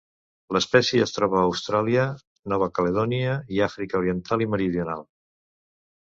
L'espècie es troba a Austràlia, Nova Caledònia, i Àfrica oriental i meridional.